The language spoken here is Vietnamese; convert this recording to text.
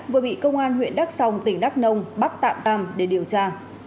vừa bị công an huyện đắc sông tỉnh đắc nông bắt tạm giam để điều tra